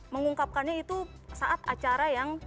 mengungkapkannya itu saat acara yang